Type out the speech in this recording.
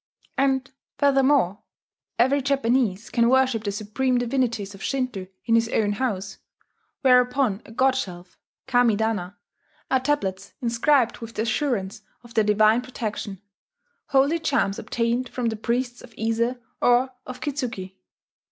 And, furthermore, every Japanese can worship the supreme divinities of Shinto in his own house, where upon a "god shelf" (Kamidana) are tablets inscribed with the assurance of their divine protection, holy charms obtained from the priests of Ise or of Kitzuki.